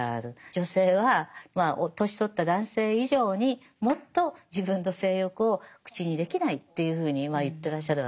女性はまあ年取った男性以上にもっと自分の性欲を口にできないっていうふうに言ってらっしゃるわけですよね。